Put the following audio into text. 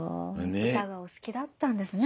歌がお好きだったんですね。